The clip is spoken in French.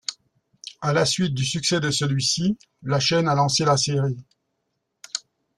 À la suite du succès de celui-ci, la chaîne a lancé la série.